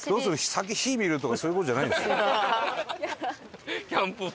先火見る？」とかそういう事じゃないんです。